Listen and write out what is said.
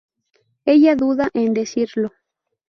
ella duda en decirlo